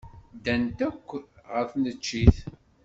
Ddant akk ɣer tneččit.